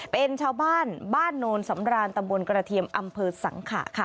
เป็นชาวบ้านบ้านโนนสำรานตำบลกระเทียมอำเภอสังขะค่ะ